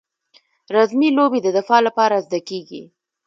رزمي لوبې د دفاع لپاره زده کیږي.